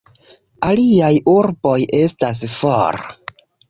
Aliaj urboj estas for.